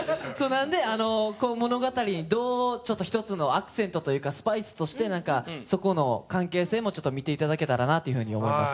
なんで物語にどう一つのアクセントというかスパイスとしてなんかそこの関係性もちょっと見ていただけたらなというふうに思います